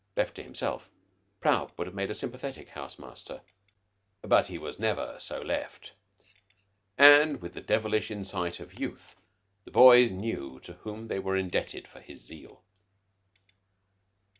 Left to himself, Prout would have made a sympathetic house master; but he was never so left, and with the devilish insight of youth, the boys knew to whom they were indebted for his zeal.